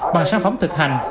bằng sản phẩm thực hành